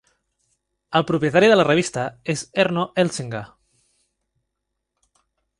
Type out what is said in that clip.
El propietari de la revista és Erno Elsinga.